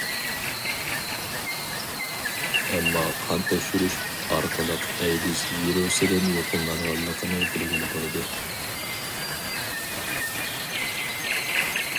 ئەمما قان تەكشۈرۈش ئارقىلىق ئەيدىز ۋىرۇسىدىن يۇقۇملانغانلىقىنى بىلگىلى بولىدۇ.